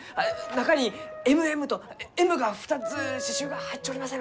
中に「ＭＭ」とＭが２つ刺しゅうが入っちょりませんろうか？